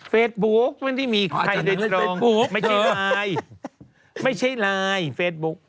เฟซบุ๊กไม่ได้มีใครเรียนร้องไม่ใช่ไลน์ไม่ใช่ไลน์เฟซบุ๊ก